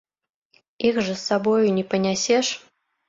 Іх жа з сабою не панясеш.